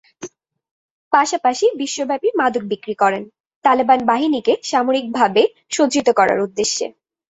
পাশাপাশি বিশ্বব্যাপী মাদক বিক্রি করেন; তালেবান বাহিনীকে সামরিকভাবে সজ্জিত করার উদ্দেশ্যে।